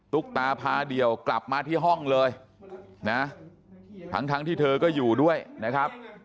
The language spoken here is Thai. ุ๊กตาพาเดี่ยวกลับมาที่ห้องเลยนะทั้งที่เธอก็อยู่ด้วยนะครับ